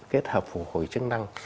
kết hợp phủ hồi chức năng